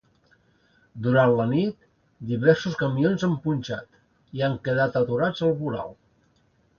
Durant la nit diversos camions han punxat i han quedat aturats al voral.